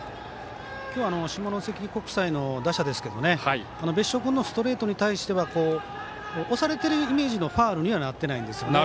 今日は下関国際の打者ですけど別所君のストレートに対しては押されてるイメージのファウルにはなってないんですよね。